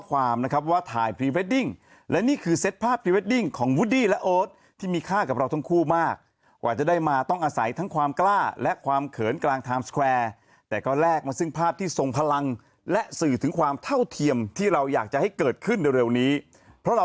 โหโหโหโหโหโหโหโหโหโหโหโหโหโหโหโหโหโหโหโหโหโหโหโหโหโหโหโหโหโหโหโหโหโหโหโหโหโหโหโหโห